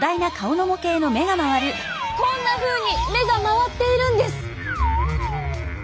こんなふうに目が回っているんです！